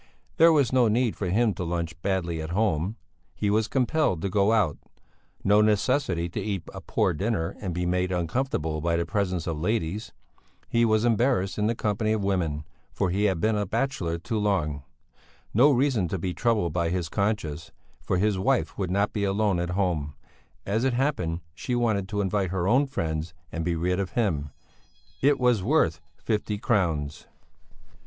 There was no need for him to lunch badly at home; he was compelled to go out; no necessity to eat a poor dinner and be made uncomfortable by the presence of ladies; he was embarrassed in the company of women, for he had been a bachelor too long; no reason to be troubled by his conscience, for his wife would not be alone at home; as it happened she wanted to invite her own friends and be rid of him it was worth fifty crowns.